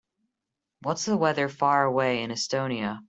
What's the weather far away in Estonia?